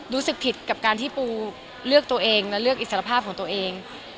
รู้สึกผิดกับการที่ปูเลือกตัวเองและเลือกอิสรภาพของตัวเอง